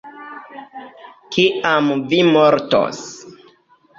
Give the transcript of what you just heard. Kiam vi mortos?